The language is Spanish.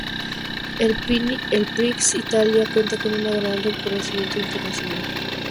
El Prix Italia cuenta con un gran reconocimiento internacional.